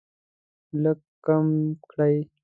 لږ کم کړئ